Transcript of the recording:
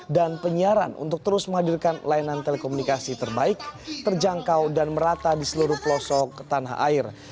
dan penyiaran untuk terus menghadirkan layanan telekomunikasi terbaik terjangkau dan merata di seluruh pelosok tanah air